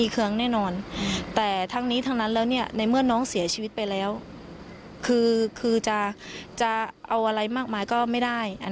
คือจะเอาอะไรมากมายก็ไม่ได้